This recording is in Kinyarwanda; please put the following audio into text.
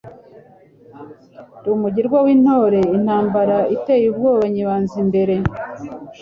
Ndi umugirwa w' intoreIntambara iteye ubwoba nyibanza imbere